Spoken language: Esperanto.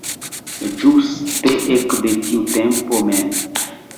Ĝuste ekde tiu tempo mem.